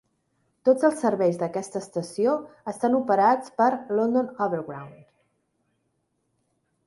Tots els serveis d'aquesta estació estan operats per London Overground.